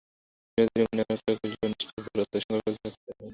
বিনোদিনীর মনে এমন-একটা নিষ্ঠুর অথচ ভুল সংস্কার থাকিতে দেওয়া অন্যায়।